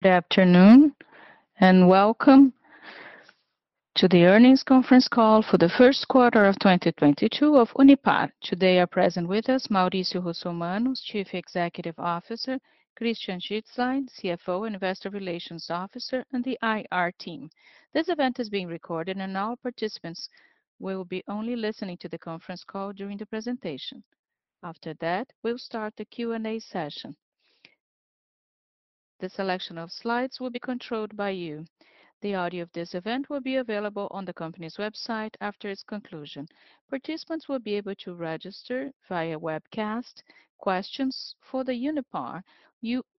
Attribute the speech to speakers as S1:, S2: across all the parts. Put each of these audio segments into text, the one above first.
S1: Good afternoon, and welcome to the earnings conference call for the first quarter of 2022 of Unipar. Today are present with us Maurício Russomanno, Chief Executive Officer, Christian Schlosser, CFO and Investor Relations Officer, and the IR team. This event is being recorded and all participants will be only listening to the conference call during the presentation. After that, we'll start the Q&A session. The selection of slides will be controlled by you. The audio of this event will be available on the company's website after its conclusion. Participants will be able to register via webcast questions for Unipar,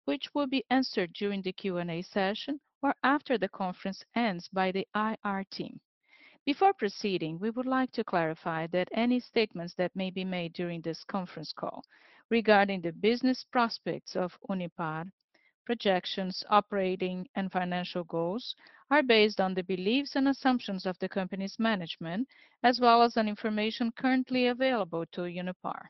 S1: which will be answered during the Q&A session or after the conference ends by the IR team. Before proceeding, we would like to clarify that any statements that may be made during this conference call regarding the business prospects of Unipar, projections, operating and financial goals are based on the beliefs and assumptions of the company's management, as well as on information currently available to Unipar.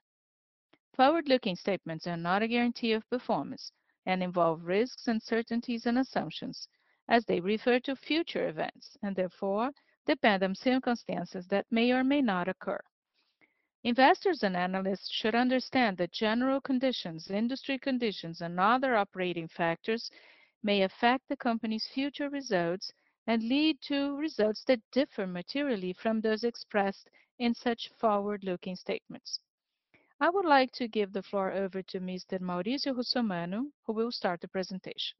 S1: Forward-looking statements are not a guarantee of performance and involve risks, uncertainties and assumptions as they refer to future events, and therefore depend on circumstances that may or may not occur. Investors and analysts should understand that general conditions, industry conditions, and other operating factors may affect the company's future results and lead to results that differ materially from those expressed in such forward-looking statements. I would like to give the floor over to Mr. Maurício Russomanno, who will start the presentation.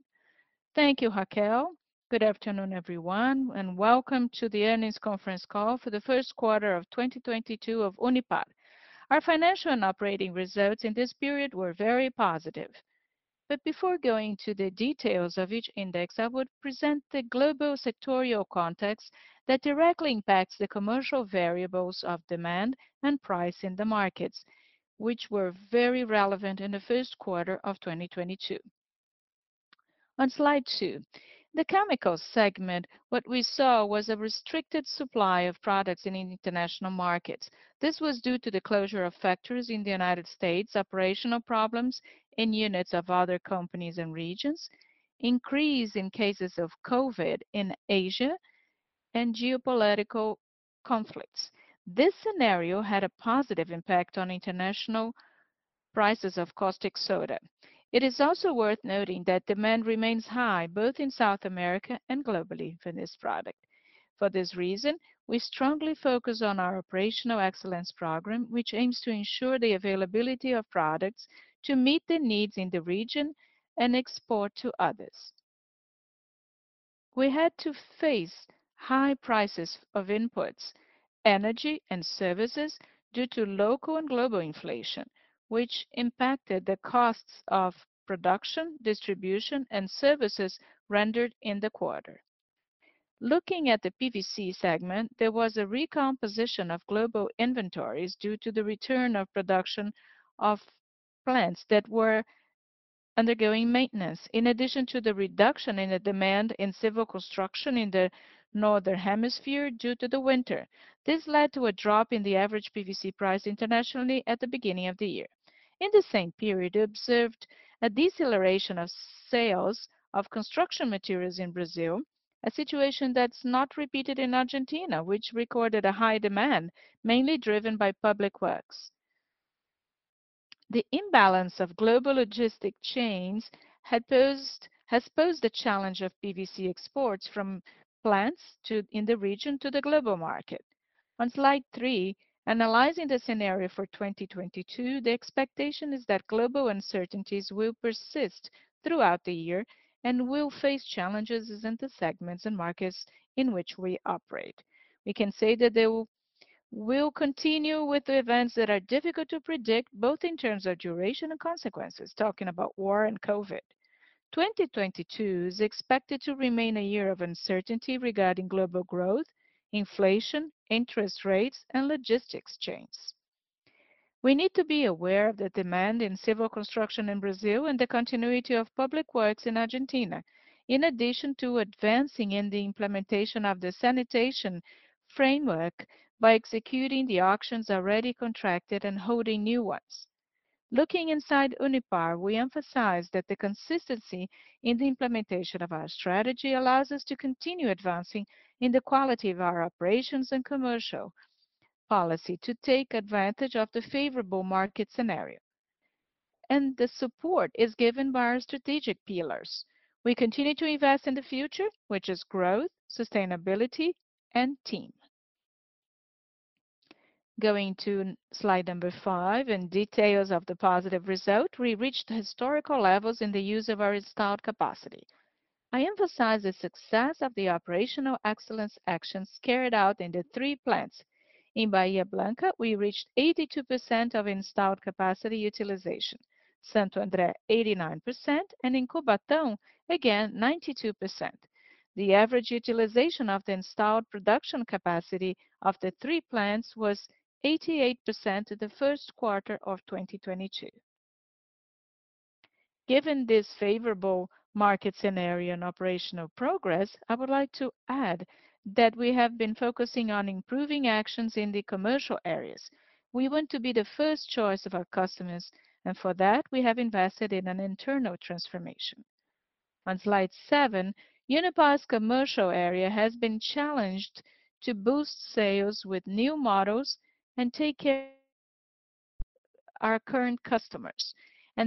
S2: Thank you, Raquel. Good afternoon, everyone, and welcome to the earnings conference call for the first quarter of 2022 of Unipar. Our financial and operating results in this period were very positive. Before going to the details of each index, I would present the global sectoral context that directly impacts the commercial variables of demand and price in the markets, which were very relevant in the first quarter of 2022. On slide two, the chemical segment, what we saw was a restricted supply of products in international markets. This was due to the closure of factories in the United States, operational problems in units of other companies and regions, increase in cases of COVID in Asia, and geopolitical conflicts. This scenario had a positive impact on international prices of caustic soda. It is also worth noting that demand remains high both in South America and globally for this product. For this reason, we strongly focus on our operational excellence program, which aims to ensure the availability of products to meet the needs in the region and export to others. We had to face high prices of inputs, energy and services due to local and global inflation, which impacted the costs of production, distribution and services rendered in the quarter. Looking at the PVC segment, there was a recomposition of global inventories due to the return of production of plants that were undergoing maintenance, in addition to the reduction in the demand in civil construction in the Northern Hemisphere due to the winter. This led to a drop in the average PVC price internationally at the beginning of the year. In the same period, we observed a deceleration of sales of construction materials in Brazil, a situation that's not repeated in Argentina, which recorded a high demand, mainly driven by public works. The imbalance of global logistics chains has posed the challenge of PVC exports from plants in the region to the global market. On slide three, analyzing the scenario for 2022, the expectation is that global uncertainties will persist throughout the year and will face challenges in the segments and markets in which we operate. We can say that they will continue with events that are difficult to predict, both in terms of duration and consequences, talking about war and COVID. 2022 is expected to remain a year of uncertainty regarding global growth, inflation, interest rates, and logistics chains. We need to be aware of the demand in civil construction in Brazil and the continuity of public works in Argentina, in addition to advancing in the implementation of the sanitation framework by executing the auctions already contracted and holding new ones. Looking inside Unipar, we emphasize that the consistency in the implementation of our strategy allows us to continue advancing in the quality of our operations and commercial policy to take advantage of the favorable market scenario. The support is given by our strategic pillars. We continue to invest in the future, which is growth, sustainability, and team. Going to slide number five and details of the positive result, we reached historical levels in the use of our installed capacity. I emphasize the success of the operational excellence actions carried out in the three plants. In Bahía Blanca, we reached 82% of installed capacity utilization. Santo André, 89%, and in Cubatão, again, 92%. The average utilization of the installed production capacity of the three plants was 88% in the first quarter of 2022. Given this favorable market scenario and operational progress, I would like to add that we have been focusing on improving actions in the commercial areas. We want to be the first choice of our customers, and for that, we have invested in an internal transformation. On slide seven, Unipar's commercial area has been challenged to boost sales with new models and take care of our current customers.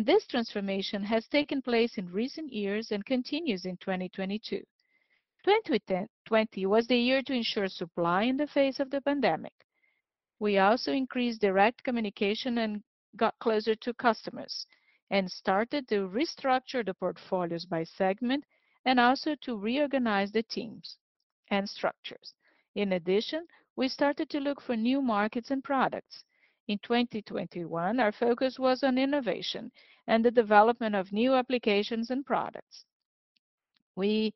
S2: This transformation has taken place in recent years and continues in 2022. 2020 was the year to ensure supply in the face of the pandemic. We also increased direct communication and got closer to customers and started to restructure the portfolios by segment and also to reorganize the teams and structures. In addition, we started to look for new markets and products. In 2021, our focus was on innovation and the development of new applications and products. We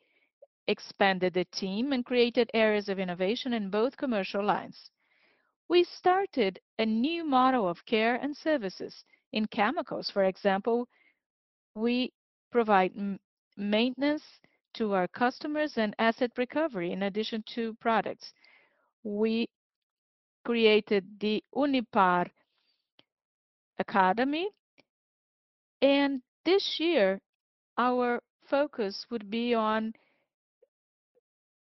S2: expanded the team and created areas of innovation in both commercial lines. We started a new model of care and services. In chemicals, for example, we provide maintenance to our customers and asset recovery in addition to products. We created the Unipar Academy. This year, our focus would be on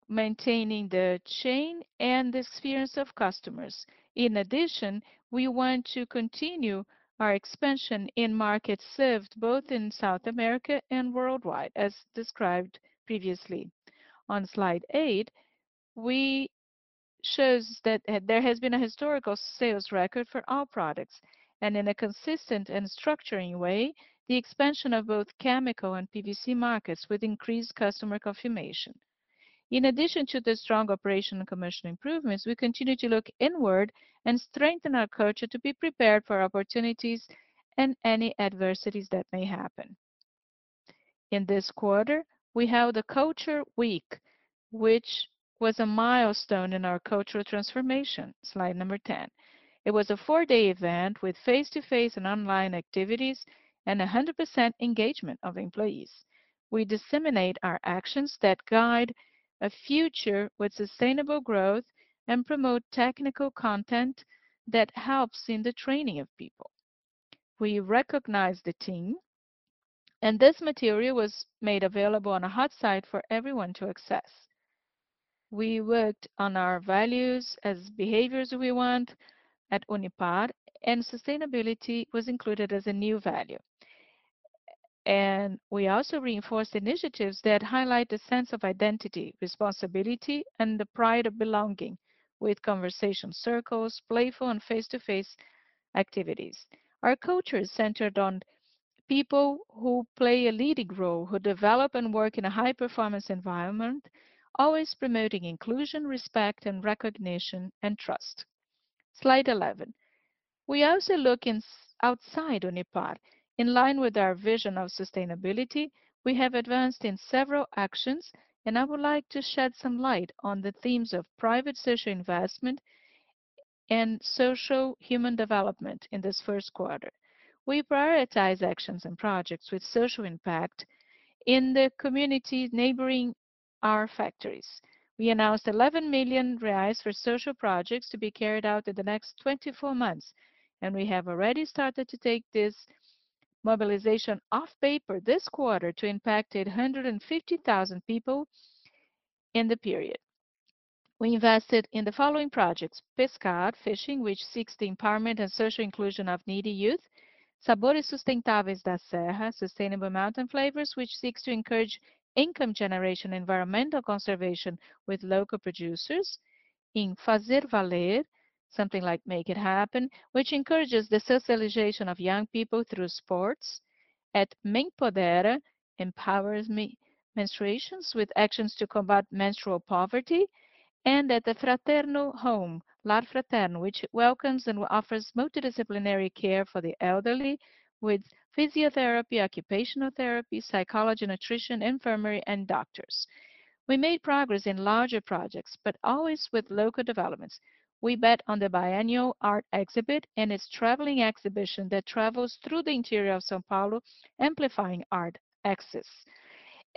S2: maintaining the chain and the spheres of customers. In addition, we want to continue our expansion in markets served both in South America and worldwide, as described previously. On slide eight, shows that there has been a historical sales record for all products, and in a consistent and structuring way, the expansion of both chemical and PVC markets with increased customer confirmation. In addition to the strong operational commercial improvements, we continue to look inward and strengthen our culture to be prepared for opportunities and any adversities that may happen. In this quarter, we held a culture week, which was a milestone in our cultural transformation. Slide number 10. It was a four-day event with face-to-face and online activities and 100% engagement of employees. We disseminate our actions that guide a future with sustainable growth and promote technical content that helps in the training of people. We recognize the team, and this material was made available on a hot site for everyone to access. We worked on our values as behaviors we want at Unipar, and sustainability was included as a new value. We also reinforced initiatives that highlight the sense of identity, responsibility, and the pride of belonging with conversation circles, playful and face-to-face activities. Our culture is centered on people who play a leading role, who develop and work in a high-performance environment, always promoting inclusion, respect, and recognition and trust. Slide 11. We also look outside Unipar. In line with our vision of sustainability, we have advanced in several actions, and I would like to shed some light on the themes of private social investment and social human development in this first quarter. We prioritize actions and projects with social impact in the community neighboring our factories. We announced 11 million reais for social projects to be carried out in the next 24 months, and we have already started to take this mobilization off paper this quarter to impact 850,000 people in the period. We invested in the following projects, Pescar, fishing, which seeks the empowerment and social inclusion of needy youth. Sabores Sustentáveis da Serra, Sustainable Mountain Flavors, which seeks to encourage income generation, environmental conservation with local producers. In Fazer Valer, something like Make It Happen, which encourages the socialization of young people through sports. At Me Empodera, Empowers Menstruations, with actions to combat menstrual poverty. At the Fraterno Home, Lar Fraterno, which welcomes and offers multidisciplinary care for the elderly with physiotherapy, occupational therapy, psychology, nutrition, infirmary, and doctors. We made progress in larger projects, but always with local developments. We bet on the biannual art exhibit and its traveling exhibition that travels through the interior of São Paulo, amplifying art access.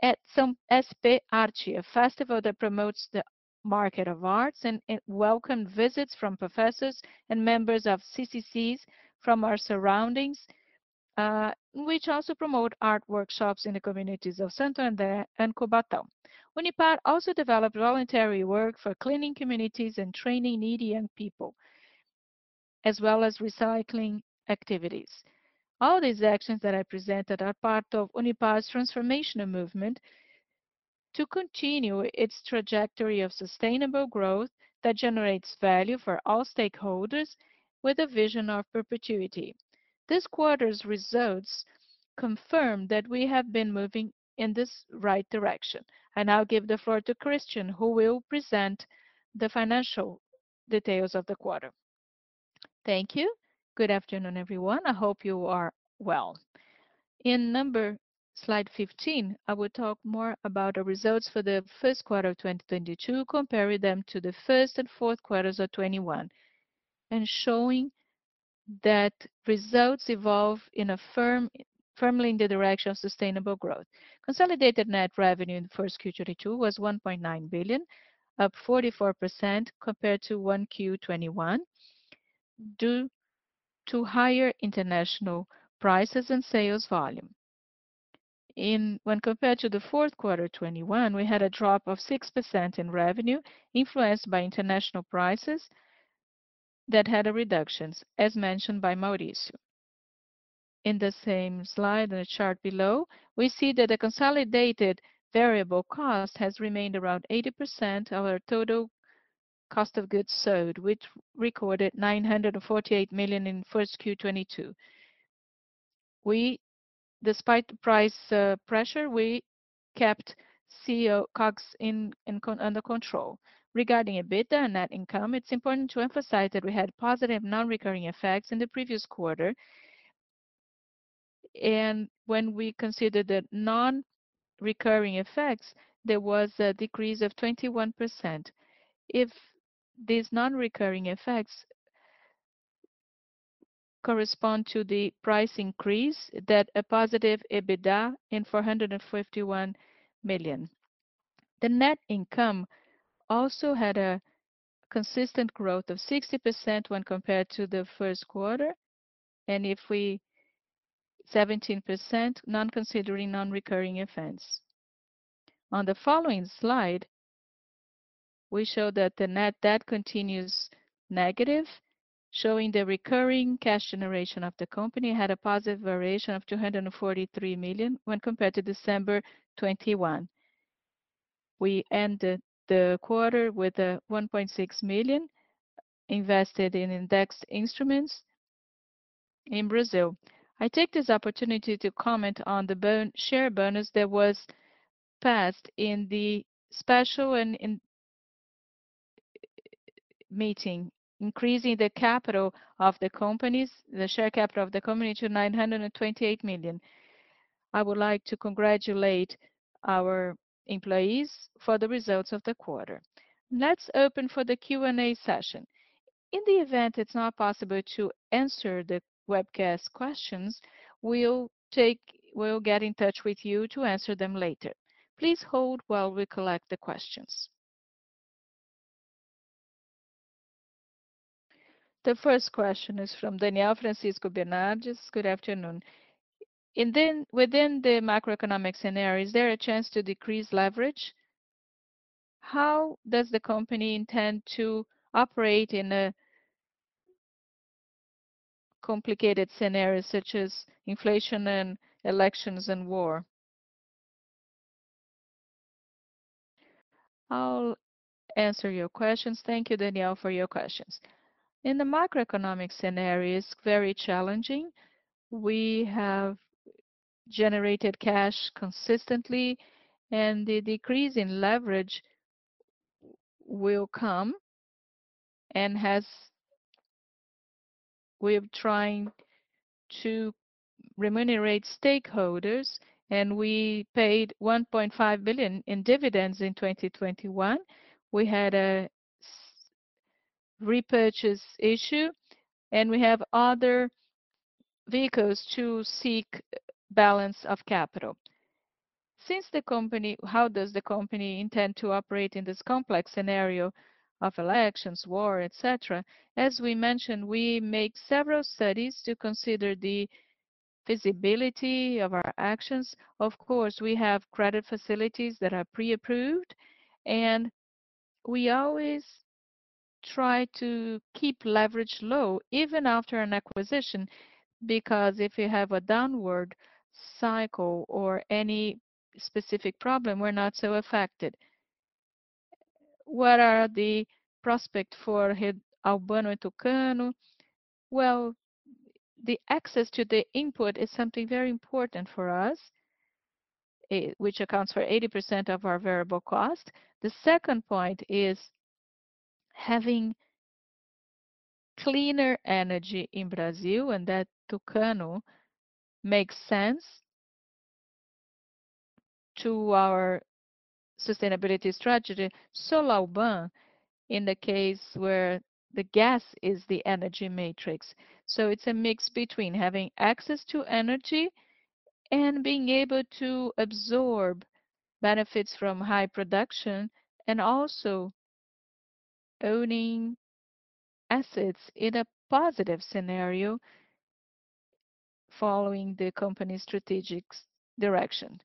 S2: At SP-Arte, a festival that promotes the market of arts and welcome visits from professors and members of CCCs from our surroundings, which also promote art workshops in the communities of Santo André and Cubatão. Unipar also developed voluntary work for cleaning communities and training needy young people, as well as recycling activities. All these actions that I presented are part of Unipar's transformational movement to continue its trajectory of sustainable growth that generates value for all stakeholders with a vision of perpetuity. This quarter's results confirm that we have been moving in this right direction. I now give the floor to Christian, who will present the financial details of the quarter. Thank you. Good afternoon, everyone. I hope you are well.
S3: In slide 15, I will talk more about the results for the first quarter of 2022, comparing them to the first and fourth quarters of 2021 and showing that results evolve firmly in the direction of sustainable growth. Consolidated net revenue in the first Q 2022 was 1.9 billion, up 44% compared to 1Q 2021 due to higher international prices and sales volume. When compared to the fourth quarter 2021, we had a drop of 6% in revenue influenced by international prices that had reductions, as mentioned by Maurício. In the same slide, in the chart below, we see that the consolidated variable cost has remained around 80% of our total cost of goods sold, which recorded 948 million in first Q 2022. Despite the price pressure, we kept COGS under control. Regarding EBITDA and net income, it's important to emphasize that we had positive non-recurring effects in the previous quarter. When we consider the non-recurring effects, there was a decrease of 21%. Excluding these non-recurring effects corresponding to the price increase, there was a positive EBITDA of 451 million. The net income also had a consistent growth of 60% when compared to the first quarter. It was 17% not considering non-recurring events. On the following slide, we show that the net debt continues negative, showing the recurring cash generation of the company had a positive variation of 243 million when compared to December 2021. We ended the quarter with 1.6 million invested in indexed instruments in Brazil. I take this opportunity to comment on the share bonus that was passed in the special meeting, increasing the share capital of the company to 928 million. I would like to congratulate our employees for the results of the quarter.
S1: Let's open for the Q&A session. In the event it's not possible to answer the webcast questions, we'll get in touch with you to answer them later. Please hold while we collect the questions. The first question is from Daniel Francisco Bernardes.
S4: Good afternoon. Within the macroeconomic scenario, is there a chance to decrease leverage? How does the company intend to operate in a complicated scenario such as inflation and elections and war?
S3: I'll answer your questions. Thank you, Daniel, for your questions. The macroeconomic scenario is very challenging. We have generated cash consistently, and the decrease in leverage will come and has. We're trying to remunerate stakeholders, and we paid 1.5 billion in dividends in 2021. We had a share repurchase issue, and we have other vehicles to seek balance of capital. How does the company intend to operate in this complex scenario of elections, war, et cetera? As we mentioned, we make several studies to consider the feasibility of our actions. Of course, we have credit facilities that are pre-approved, and we always try to keep leverage low even after an acquisition, because if you have a downward cycle or any specific problem, we're not so affected. What are the prospects for Alban and Tucano? Well, the access to the input is something very important for us, which accounts for 80% of our variable cost. The second point is having cleaner energy in Brazil, and that Tucano makes sense to our sustainability strategy. Alban, in the case where the gas is the energy matrix. It's a mix between having access to energy and being able to absorb benefits from high production and also owning assets in a positive scenario following the company's strategic direction.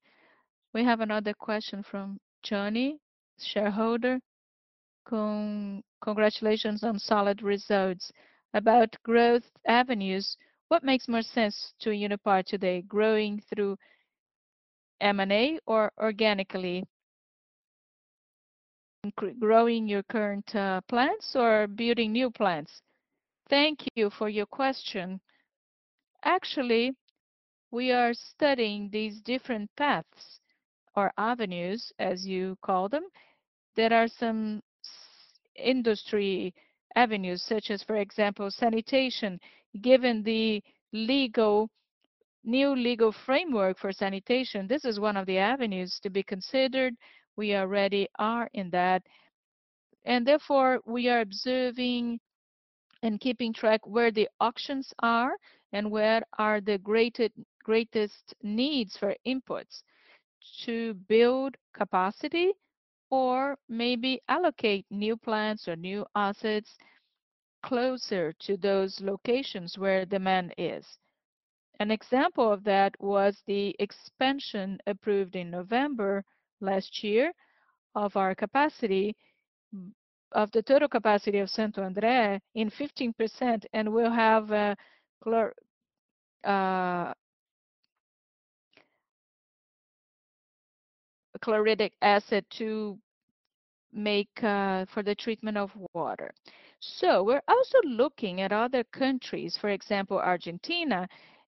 S1: We have another question from Johnny, shareholder.
S5: Congratulations on solid results. About growth avenues, what makes more sense to Unipar today, growing through M&A or organically? Growing your current plants or building new plants?
S2: Thank you for your question. Actually, we are studying these different paths or avenues, as you call them. There are some industry avenues, such as, for example, sanitation. Given the new legal framework for sanitation, this is one of the avenues to be considered. We already are in that. Therefore, we are observing and keeping track where the auctions are and where are the greatest needs for inputs to build capacity. Or maybe allocate new plants or new assets closer to those locations where demand is. An example of that was the expansion approved in November last year of our capacity, of the total capacity of Santo André in 15%. We'll have a hydrochloric acid to make, for the treatment of water. We're also looking at other countries, for example, Argentina.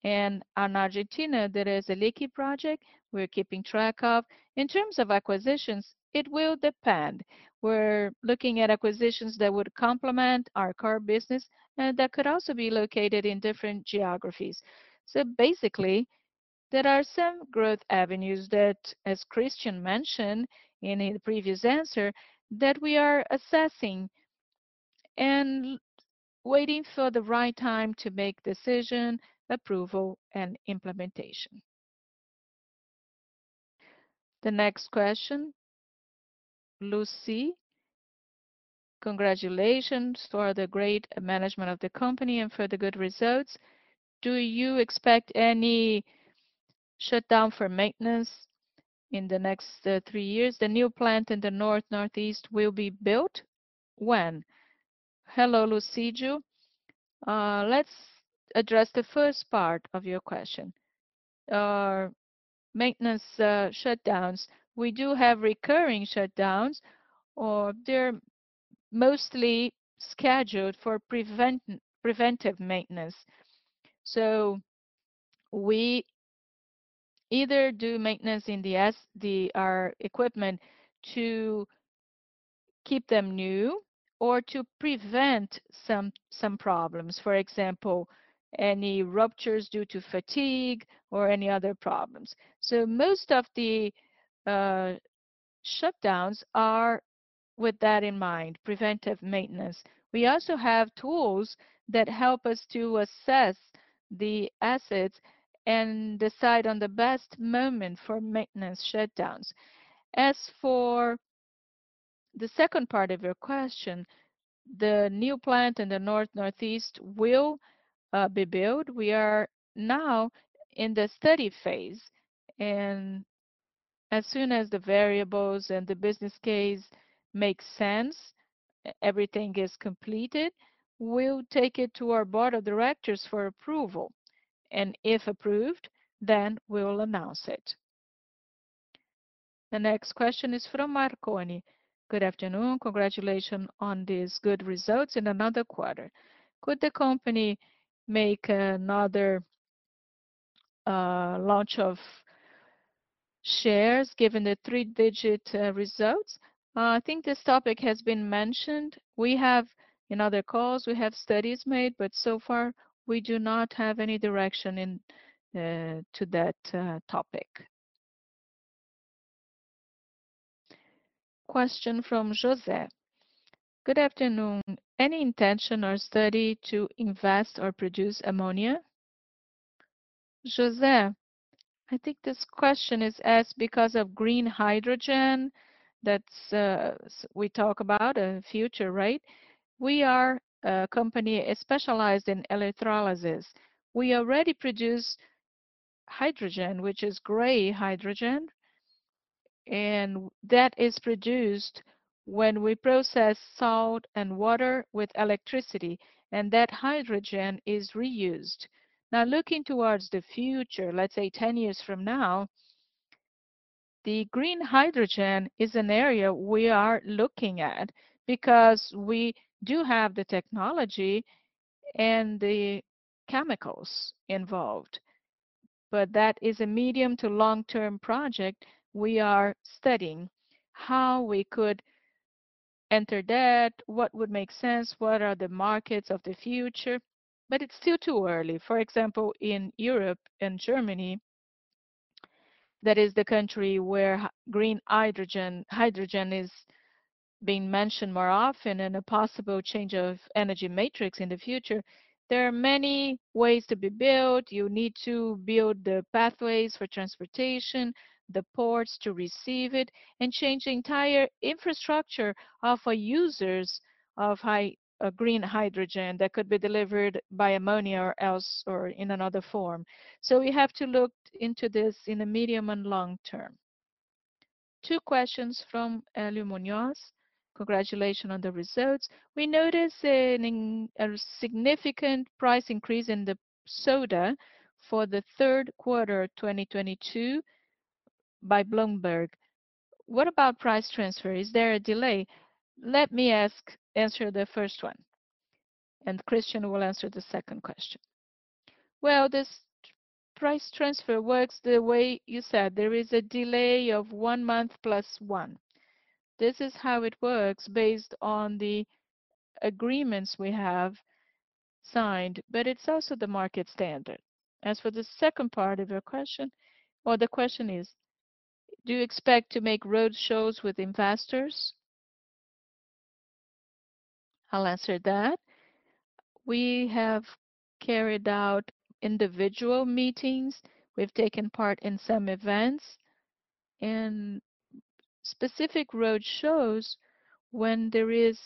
S2: On Argentina, there is an alkali project we're keeping track of. In terms of acquisitions, it will depend. We're looking at acquisitions that would complement our core business, that could also be located in different geographies. Basically, there are some growth avenues that, as Christian mentioned in a previous answer, that we are assessing and waiting for the right time to make decision, approval, and implementation.
S1: The next question, Lucy. "Congratulations for the great management of the company and for the good results. Do you expect any shutdown for maintenance in the next three years? The new plant in the north, northeast will be built when?"
S2: Hello, Lucy. Let's address the first part of your question. Our maintenance shutdowns. We do have recurring shutdowns, or they're mostly scheduled for preventive maintenance. We either do maintenance in our equipment to keep them new or to prevent some problems. For example, any ruptures due to fatigue or any other problems. Most of the shutdowns are with that in mind, preventive maintenance. We also have tools that help us to assess the assets and decide on the best moment for maintenance shutdowns. As for the second part of your question, the new plant in the north, northeast will be built. We are now in the study phase. As soon as the variables and the business case make sense, everything is completed, we'll take it to our board of directors for approval, and if approved, then we'll announce it.
S1: The next question is from Marconi. "Good afternoon. Congratulations on these good results in another quarter. Could the company make another launch of shares given the three-digit results?"
S2: I think this topic has been mentioned. In other calls, we have studies made, but so far we do not have any direction in to that topic.
S1: Question from Jose. "Good afternoon. Any intention or study to invest or produce ammonia?
S2: Jose, I think this question is asked because of green hydrogen that's so we talk about in future, right? We are a company specialized in electrolysis. We already produce hydrogen, which is gray hydrogen, and that is produced when we process salt and water with electricity, and that hydrogen is reused. Now, looking towards the future, let's say 10 years from now, the green hydrogen is an area we are looking at because we do have the technology and the chemicals involved. But that is a medium to long-term project. We are studying how we could enter that, what would make sense, what are the markets of the future, but it's still too early. For example, in Europe and Germany, that is the country where green hydrogen is being mentioned more often and a possible change of energy matrix in the future. There are many ways to be built. You need to build the pathways for transportation, the ports to receive it, and change the entire infrastructure of users of green hydrogen that could be delivered by ammonia or else, or in another form. We have to look into this in the medium and long term.
S1: Two questions from Hélio Muno.
S6: "Congratulations on the results. We noticed a significant price increase in the soda for the third quarter 2022 by Bloomberg. What about price transfer? Is there a delay?"
S2: Let me answer the first one, and Christian will answer the second question. Well, this price transfer works the way you said. There is a delay of one month plus one. This is how it works based on the agreements we have signed, but it's also the market standard.
S3: As for the second part of your question. Well, the question is: Do you expect to make roadshows with investors? I'll answer that. We have carried out individual meetings. We've taken part in some events and specific roadshows when there is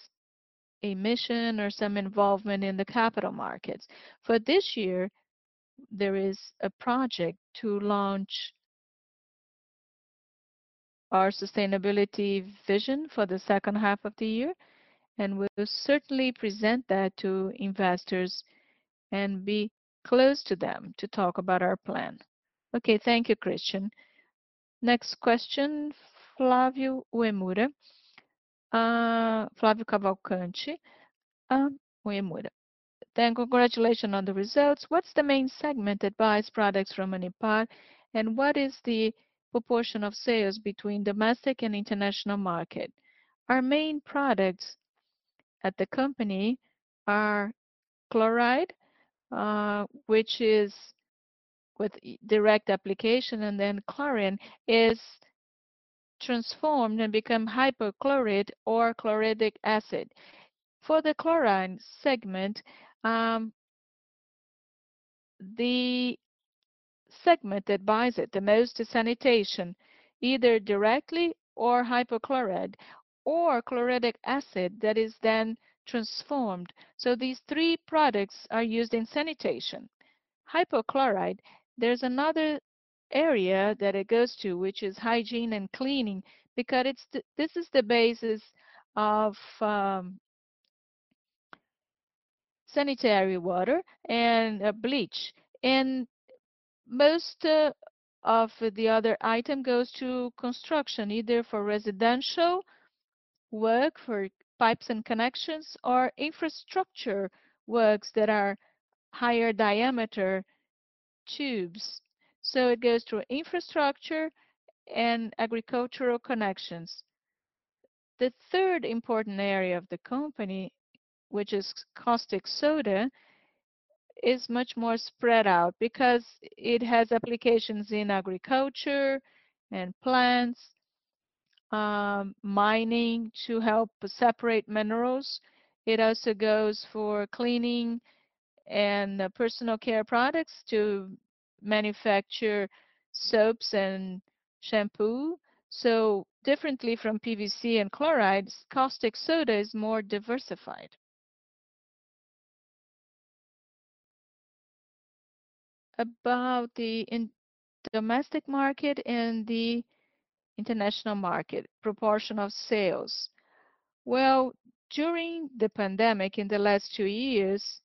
S3: a mission or some involvement in the capital markets. For this year, there is a project to launch our sustainability vision for the second half of the year, and we'll certainly present that to investors and be close to them to talk about our plan.
S6: Okay, thank you, Christian.
S1: Next question, Flavio Cavalcanti Uemura.
S7: "Then congratulations on the results. What's the main segment that buys products from Unipar, and what is the proportion of sales between domestic and international market?
S2: Our main products at the company are chlorine, which is with direct application, and then chlorine is transformed and become hypochlorite or hydrochloric acid. For the chlorine segment, the segment that buys it the most is sanitation, either directly or hypochlorite or hydrochloric acid that is then transformed. These three products are used in sanitation. Hypochlorite, there's another area that it goes to, which is hygiene and cleaning because it's the basis of sanitary water and bleach. Most of the other item goes to construction, either for residential work for pipes and connections or infrastructure works that are higher diameter tubes. It goes to infrastructure and agricultural connections. The third important area of the company, which is caustic soda, is much more spread out because it has applications in agriculture and plants, mining to help separate minerals. It also goes for cleaning and personal care products to manufacture soaps and shampoo. Differently from PVC and chlorine, caustic soda is more diversified. About the domestic market and the international market proportion of sales. Well, during the pandemic in the last two years,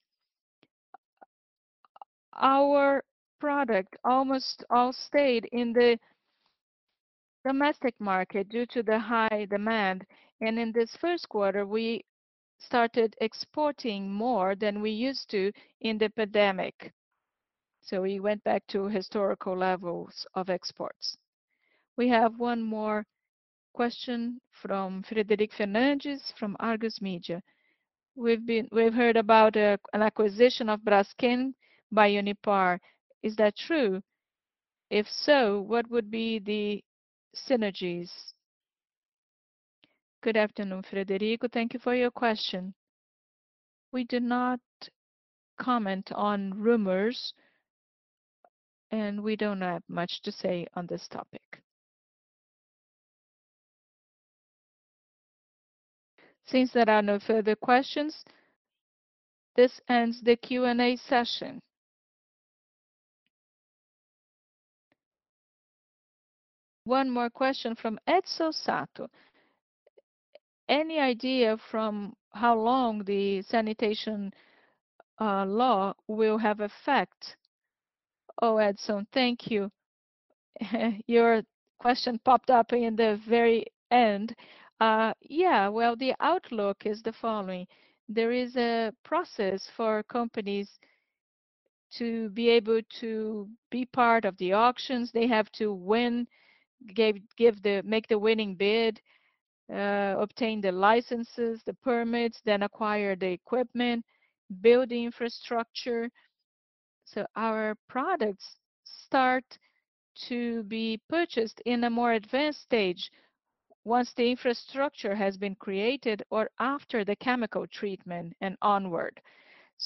S2: our product almost all stayed in the domestic market due to the high demand. In this first quarter, we started exporting more than we used to in the pandemic. We went back to historical levels of exports. We have one more question from Frederico Fernandes from Argus Media.
S8: "We've heard about an acquisition of Braskem by Unipar. Is that true? If so, what would be the synergies?
S2: Good afternoon, Frederico. Thank you for your question. We do not comment on rumors, and we don't have much to say on this topic.
S1: Since there are no further questions, this ends the Q&A session. One more question from Edson Sato.
S9: Any idea for how long the Sanitation Law will have effect?
S2: Oh, Edson, thank you. Your question popped up in the very end. Yeah, well, the outlook is the following. There is a process for companies to be able to be part of the auctions. They have to win, make the winning bid, obtain the licenses, the permits, then acquire the equipment, build the infrastructure. So our products start to be purchased in a more advanced stage once the infrastructure has been created or after the chemical treatment and onward.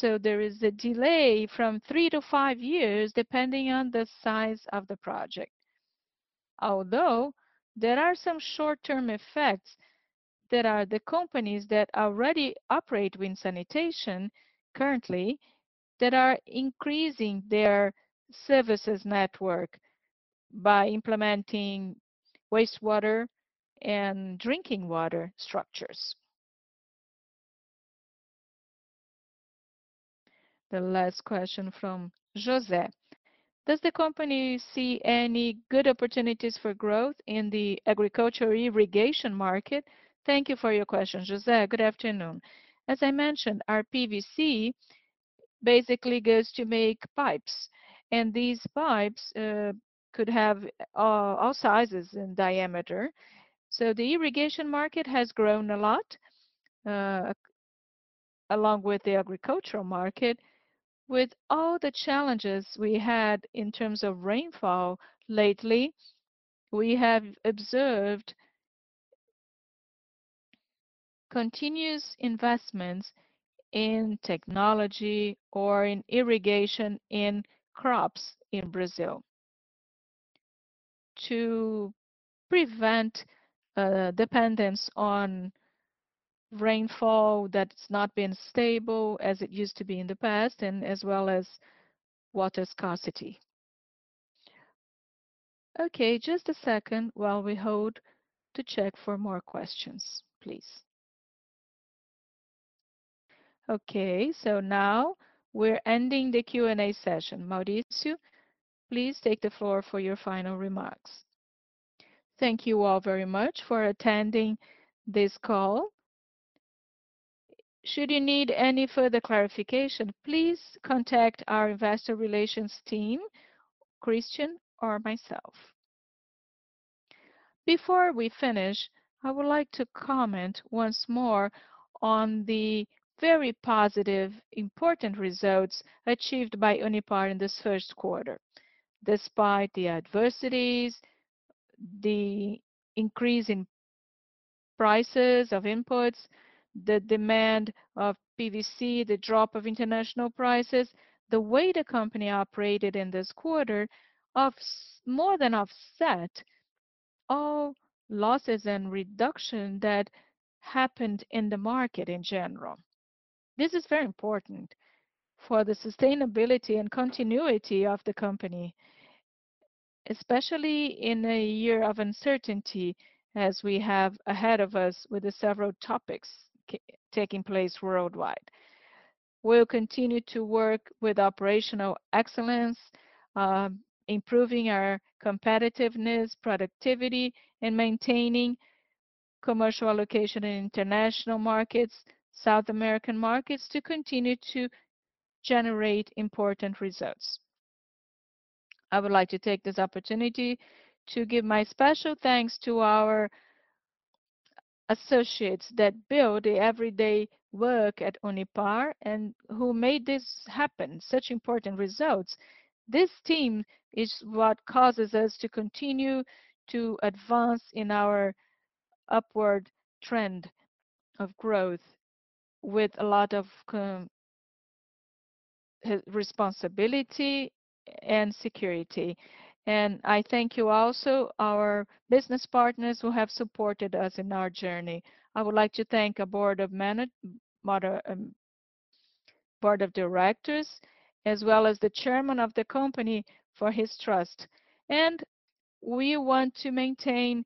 S2: There is a delay from three to five years, depending on the size of the project. Although there are some short-term effects that are the companies that already operate with sanitation currently that are increasing their services network by implementing wastewater and drinking water structures.
S1: The last question from Jose: "Does the company see any good opportunities for growth in the agriculture irrigation market?
S2: " Thank you for your question, Jose. Good afternoon. As I mentioned, our PVC basically goes to make pipes, and these pipes could have all sizes and diameter. The irrigation market has grown a lot along with the agricultural market. With all the challenges we had in terms of rainfall lately. We have observed continuous investments in technology or in irrigation in crops in Brazil to prevent dependence on rainfall that's not been stable as it used to be in the past and as well as water scarcity.
S1: Okay, just a second while we hold to check for more questions, please. Okay, so now we're ending the Q&A session. Maurício, please take the floor for your final remarks.
S2: Thank you all very much for attending this call. Should you need any further clarification, please contact our investor relations team, Christian or myself. Before we finish, I would like to comment once more on the very positive, important results achieved by Unipar in this first quarter. Despite the adversities, the increase in prices of inputs, the demand of PVC, the drop of international prices, the way the company operated in this quarter more than offset all losses and reduction that happened in the market in general. This is very important for the sustainability and continuity of the company, especially in a year of uncertainty as we have ahead of us with the several topics taking place worldwide. We'll continue to work with operational excellence, improving our competitiveness, productivity, and maintaining commercial allocation in international markets, South American markets, to continue to generate important results. I would like to take this opportunity to give my special thanks to our associates that build the everyday work at Unipar and who made this happen, such important results. This team is what causes us to continue to advance in our upward trend of growth with a lot of responsibility and security. I thank you also, our business partners who have supported us in our journey. I would like to thank our board of directors, as well as the chairman of the company for his trust. We want to maintain.